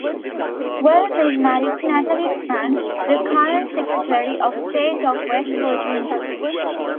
Wells is married to Natalie Tennant, the current Secretary of State of West Virginia.